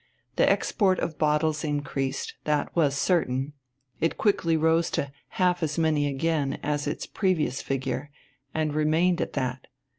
The export of bottles increased, that was certain; it quickly rose to half as many again as its previous figure, and remained at that.